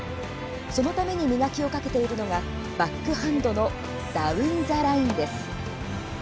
そのために磨きをかけているのがバックハンドのダウン・ザ・ラインです。